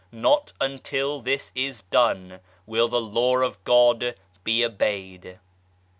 Not until this is done will the Law of God be obeyed.